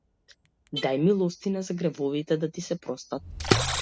Дај милостина, за гревовите да ти се простат.